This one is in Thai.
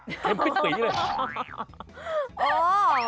น้ำพริกกะปิ